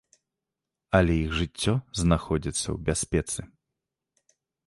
Але іх жыццё знаходзіцца ў бяспецы.